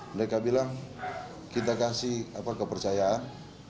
mereka bilang kita kasih kepercayaan